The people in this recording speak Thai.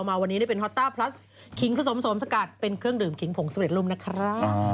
ช่างสงสมสมเป็นเครื่องดื่มคิงผงเสมอลุมนะครับ